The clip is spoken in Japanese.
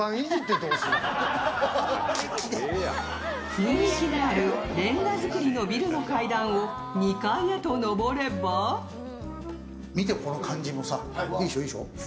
雰囲気のあるれんがづくりのビルの階段を２階へと上れば見て、この感じもさ、いいでしょ。